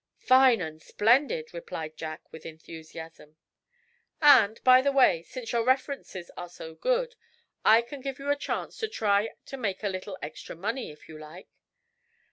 "Fine and splendid," replied Jack, with enthusiasm. "And, by the way, since your references are so good, I can give you a chance to try to make a little extra money, if you like."